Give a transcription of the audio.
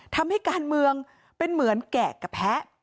ทำให้การเมืองเป็นเหมือนแกะกระแพ้